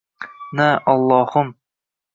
Na ollohim